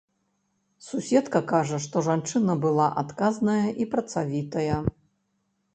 Суседка кажа, што жанчына была адказная і працавітая.